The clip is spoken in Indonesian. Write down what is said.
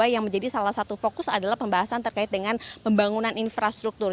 yang menjadi salah satu fokus adalah pembahasan terkait dengan pembangunan infrastruktur